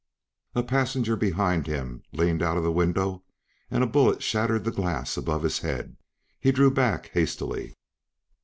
A passenger behind him leaned out of the window and a bullet shattered the glass above his head; he drew back hastily.